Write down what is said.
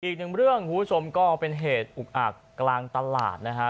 อีกหนึ่งเรื่องคุณผู้ชมก็เป็นเหตุอุกอักกลางตลาดนะฮะ